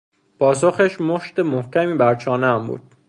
پاسخش مشت محکمی بر چانهام بود.